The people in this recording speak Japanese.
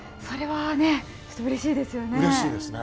それは、うれしいですよね。